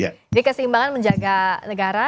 jadi ini adalah keseimbangan menjaga negara